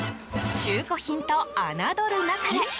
中古品とあなどるなかれ！